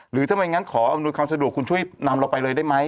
หรือไม่งั้นขออำนวยความสะดวกคุณช่วยนำเราไปเลยได้ไหม